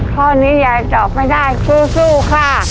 ข้อนี้ยายตอบไม่ได้สู้ค่ะ